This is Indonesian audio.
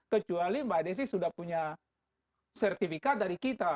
kecuali mbak desi sudah punya sertifikat dari kita